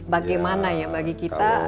bagaimana ya bagi kita